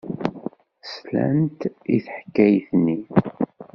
Slant i teḥkayt-nni.